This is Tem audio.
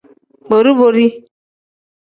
Bori-bori.